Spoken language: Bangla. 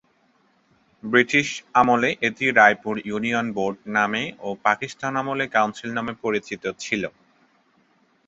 ব্রিটিশ আমলে এটি রায়পুর ইউনিয়ন বোর্ড নামে ও পাকিস্তান আমলে কাউন্সিল নামে পরিচিত ছিল।